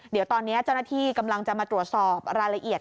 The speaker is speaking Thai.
เดี๋ยวตอนนี้เจ้าหน้าที่กำลังจะมาตรวจสอบรายละเอียด